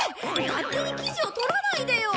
勝手に記事を撮らないでよ！